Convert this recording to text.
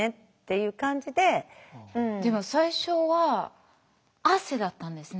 でも最初は汗だったんですね？